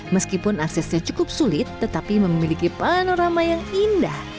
meskipun aksesnya cukup sulit tetapi memiliki panorama yang indah